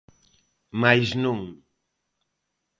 Mais non.